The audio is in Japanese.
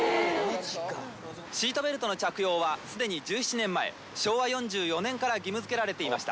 シートベルトの着用は、すでに１７年前、昭和４４年から義務づけられていました。